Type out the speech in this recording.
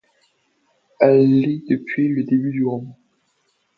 Elle l’est depuis le début du roman.